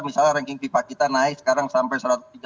misalnya ranking pipa kita naik sekarang sampai satu ratus tiga puluh